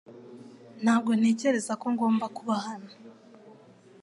Ntabwo ntekereza ko ngomba kuba hano .